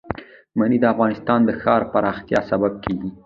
منی د افغانستان د ښاري پراختیا سبب کېږي.